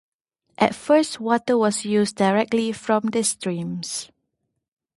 At first water was used directly from the streams.